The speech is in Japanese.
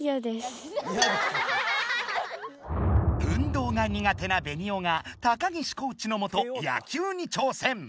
運動が苦手なベニオが高岸コーチのもと野球に挑戦。